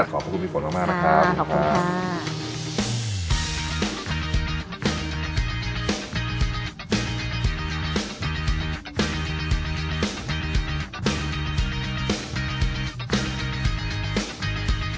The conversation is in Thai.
ขอบคุณผู้ชมมากนะครับ